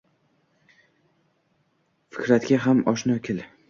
Fikratga ham oshno kil.